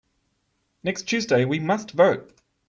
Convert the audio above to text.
Next Tuesday we must vote.